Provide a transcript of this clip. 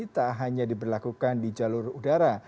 tak hanya diberlakukan di jalur udara